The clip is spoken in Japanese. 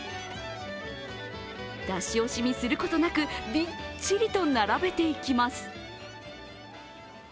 出し惜しみすることなく、びっちりと並べていきます。